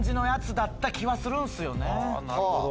あなるほど。